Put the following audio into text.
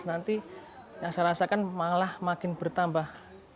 nanti yang saya rasakan malah makin bertambah